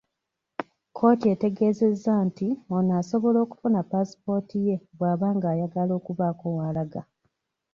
Kkooti etegeezezza nti ono asobola okufuna paasipooti ye bw'aba ng'ayagala okubaako w'alaga.